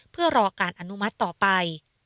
เพื่อรอการอนุมัติต่อไป